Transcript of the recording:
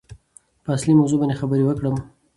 په اصلي موضوع باندې خبرې وکړم.